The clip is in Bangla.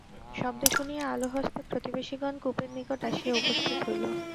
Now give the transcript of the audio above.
শব্দ শুনিয়া আলো হস্তে প্রতিবেশীগণ কূপের নিকট আসিয়া উপস্থিত হইল।